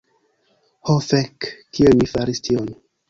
Ho fek' kiel mi faris tion